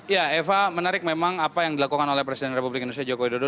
ya eva menarik memang apa yang dilakukan oleh presiden republik indonesia joko widodo